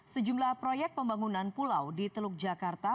sejumlah proyek pembangunan pulau di teluk jakarta